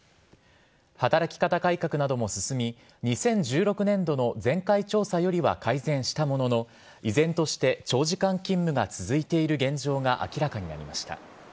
働き方改革なども進み２０１６年度の前回調査よりは改善したものの依然として長時間勤務が続いている現状が明らかになりました。